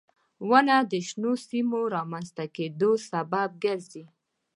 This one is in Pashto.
• ونه د شنو سیمو رامنځته کېدو سبب ګرځي.